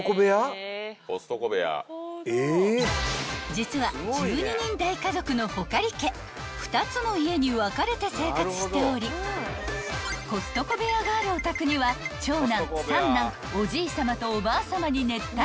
［実は１２人大家族の穂苅家２つの家に分かれて生活しておりコストコ部屋があるお宅には長男三男おじいさまとおばあさまに熱帯魚］